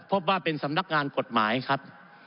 พบว่าเป็นสำนักงานกฎหมายครับ